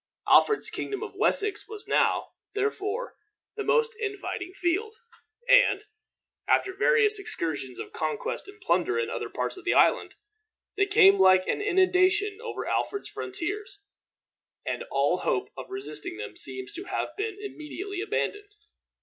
Alfred's kingdom of Wessex was now, therefore, the most inviting field, and, after various excursions of conquest and plunder in other parts of the island, they came like an inundation over Alfred's frontiers, and all hope of resisting them seems to have been immediately abandoned.